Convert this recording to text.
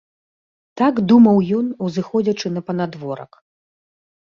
Так думаў ён, узыходзячы на панадворак.